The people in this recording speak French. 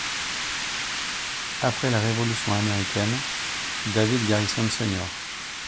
Après la révolution américaine, David Garrison Sr.